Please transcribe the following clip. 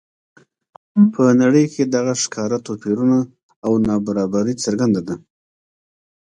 په نړۍ کې دغه ښکاره توپیرونه او نابرابري څرګنده ده.